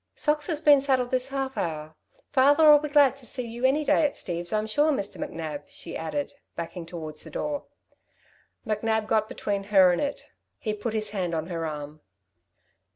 "Socks has been saddled this half hour. Father'll be glad to see you any day at Steve's, I'm sure, Mr. McNab," she added, backing towards the door. McNab got between her and it. He put his hand on her arm.